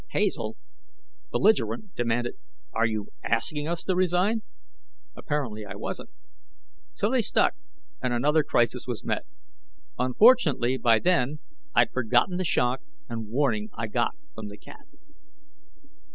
Hazel, belligerent, demanded: "Are you asking us to resign?" Apparently I wasn't. So they stuck, and another crisis was met. Unfortunately, by then, I'd forgotten the shock and warning I got from the cat.